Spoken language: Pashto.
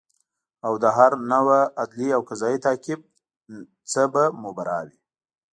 او د هر نوع عدلي او قضایي تعقیب نه به مبرا وي